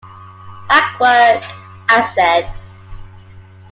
Hackwork, I said.